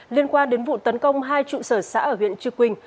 liên quan đến vụ tấn công hai trụ sở xã ở huyện trư quynh